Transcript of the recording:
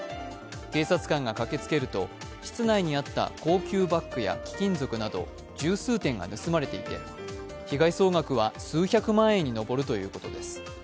警察官が駆けつけると室内にあった高級バッグや貴金属など十数点が盗まれていて被害総額は数百万円に上るということです。